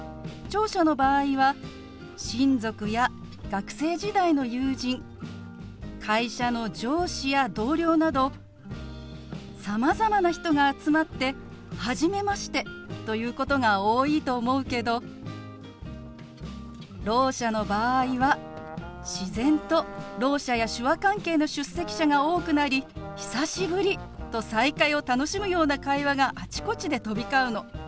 聴者の場合は親族や学生時代の友人会社の上司や同僚などさまざまな人が集まって「初めまして」と言うことが多いと思うけどろう者の場合は自然とろう者や手話関係の出席者が多くなり「久しぶり！」と再会を楽しむような会話があちこちで飛び交うの。